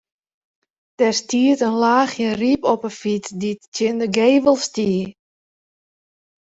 Der siet in laachje ryp op 'e fyts dy't tsjin de gevel stie.